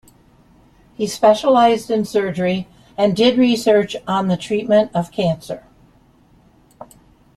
He specialised in surgery and did research on the treatment of cancer.